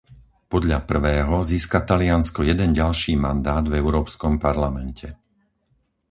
podľa prvého získa Taliansko jeden ďalší mandát v Európskom parlamente;